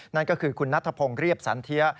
นั่นก็คือคุณนัทพงศ์เรียบสันเทีย